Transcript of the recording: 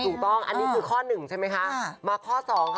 ถูกต้องอันนี้คือข้อหนึ่งใช่ไหมคะ